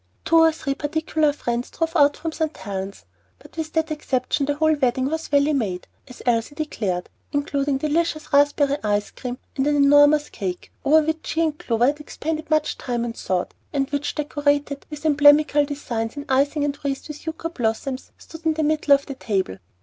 Two or three particular friends drove out from St. Helen's; but with that exception the whole wedding was "valley made," as Elsie declared, including delicious raspberry ice cream, and an enormous cake, over which she and Clover had expended much time and thought, and which, decorated with emblematical designs in icing and wreathed with yucca blossoms, stood in the middle of the table.